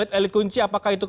dengan mengkudeta partai politik